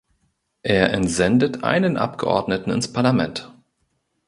Er entsendet einen Abgeordneten ins Parlament.